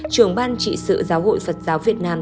trưởng ban trị sự giáo hội phật giáo việt nam